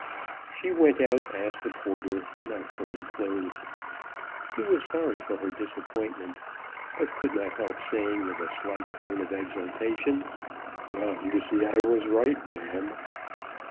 She went out past the porter, now fully clothed. He was sorry for her disappointment, but could not help saying, with a slight tone of exultation: "Well, you see I was right, ma'am!"